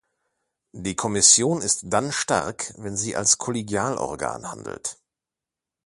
Die Kommission ist dann stark, wenn sie als Kollegialorgan handelt.